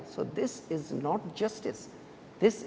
jadi ini bukan adil